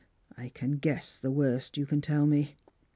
I can guess the worst you can tell me.